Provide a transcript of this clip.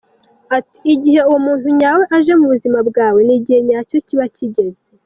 Ati"Igihe uwo muntu nyawe aje mu buzima bwawe n’igihe nyacyo kiba kigeze.